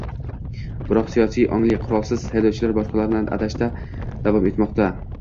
Biroq, siyosiy ongli "qurolsiz" saylovchilar boshqalarni aldashda davom etmoqda